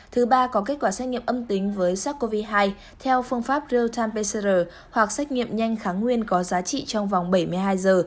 thứ ba có kết quả xét nghiệm âm tính với sars cov hai theo phương pháp real time pcr hoặc xét nghiệm nhanh kháng nguyên có giá trị trong vòng bảy mươi hai giờ